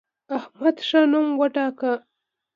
احمد ښه نوم وګاټه.